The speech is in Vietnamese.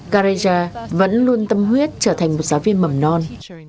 carea vẫn luôn tâm huyết trở thành một giáo viên mầm non